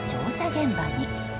現場に。